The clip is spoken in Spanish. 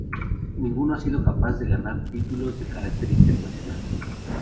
Ninguno ha sido capaz de ganar títulos de carácter internacional.